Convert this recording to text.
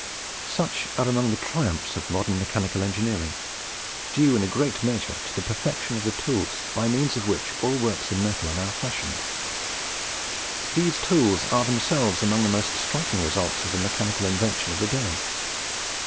Such are among the triumphs of modern mechanical engineering, due in a great measure to the perfection of the tools by means of which all works in metal are now fashioned. These tools are themselves among the most striking results of the mechanical invention of the day.